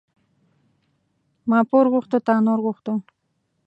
ما پور غوښته تا نور غوښته.